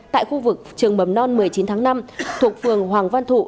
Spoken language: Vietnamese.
tại khu vực trường mầm non một mươi chín tháng năm thuộc phường hoàng văn thụ